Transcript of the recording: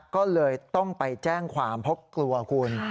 ก็เลยต้องไปแจ้งความเพราะกลัวคุณ